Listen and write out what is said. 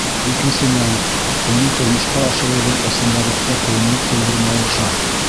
Икенсенән, уны тормошҡа ашырыуҙың ысынбарлыҡта ҡыйынлыҡ тыуҙырмауы шарт.